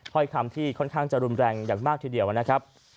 ถ้อยคำที่ค่อนข้างจะรุนแรงอย่างมากทีเดียวนะครับ